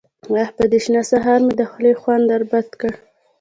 _اه! په دې شنه سهار مې د خولې خوند در بد کړ.